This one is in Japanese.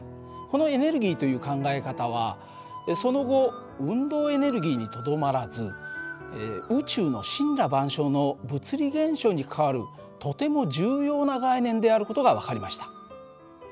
このエネルギ−という考え方はその後運動エネルギーにとどまらず宇宙の森羅万象の物理現象に関わるとても重要な概念である事が分かりました。